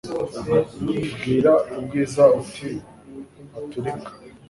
Bwira ubwiza uko aturika;